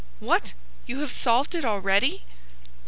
"What! you have solved it already?"